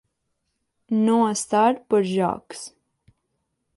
No estar per jocs.